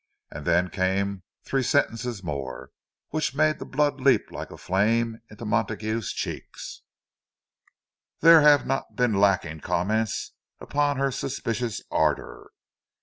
—And then came three sentences more, which made the blood leap like flame into Montague's cheeks: "There have not been lacking comments upon her suspicious ardour.